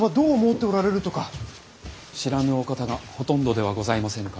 知らぬお方がほとんどではございませぬかね。